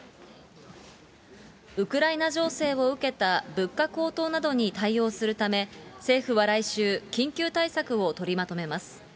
ウクライナ情勢を受けた物価高騰などに対応するため、政府は来週、緊急対策を取りまとめます。